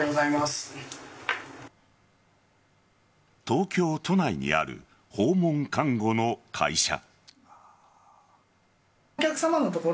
東京都内にある訪問看護の会社。